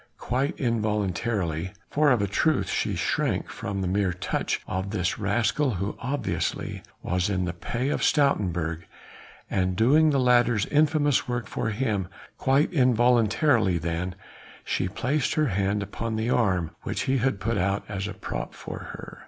Quite involuntarily for of a truth she shrank from the mere touch of this rascal who obviously was in the pay of Stoutenburg, and doing the latter's infamous work for him quite involuntarily then, she placed her hand upon the arm which he had put out as a prop for her.